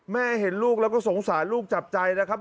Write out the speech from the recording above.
แม่เห็นลูกแล้วก็สงสารลูกจับใจนะครับ